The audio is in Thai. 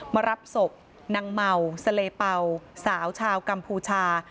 มารับศพนางเมาเสลเป่าสาวชาวกัมพูชา